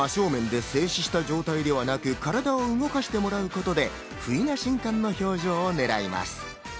真正面で静止した状態ではなく、体を動かしてもらうことで、不意な瞬間の表情を狙います。